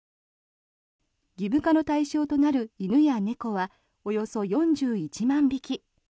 義務化の対象となる犬や猫はおよそ４１万匹。